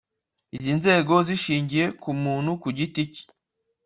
Izi nzego zishingiye ku muntu ku giti cye